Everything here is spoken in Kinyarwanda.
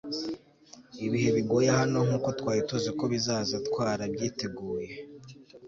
ibihe bigoye hano, nkuko twari tuzi ko bizaza twarabyiteguye